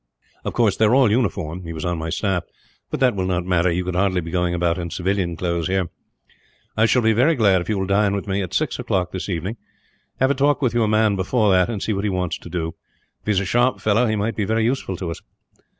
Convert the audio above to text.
Of course, they are all uniform he was on my staff but that will not matter. You could hardly be going about in civilian clothes, here. "I shall be very glad if you will dine with me, at six o'clock this evening. Have a talk with your man before that, and see what he wants to do. If he is a sharp fellow, he might be very useful to us."